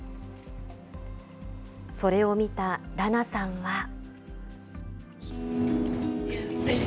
それを見たラナさんは。